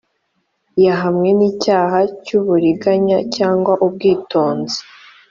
yahamwe n icyaha cy uburiganya cyangwa ubwitonzi